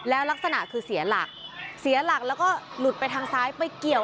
แล้วลักษณะคือเสียหลักเสียหลักแล้วก็หลุดไปทางซ้ายไปเกี่ยว